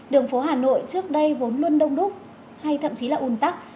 đường phố hà nội trước đây vốn luôn đông đúc hay thậm chí là un tắc